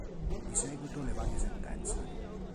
Di seguito le varie sentenze.